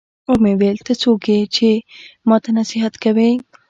ومې ويل ته څوک يې چې ما ته نصيحت کوې.